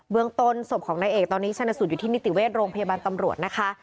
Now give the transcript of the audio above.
เมืองต้นศพของนายเอกตอนนี้ชนะสูตรอยู่ที่นิติเวชโรงพยาบาลตำรวจนะคะ